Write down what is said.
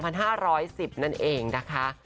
เกิดปี๒๐๑๕นั่นเองนะคะ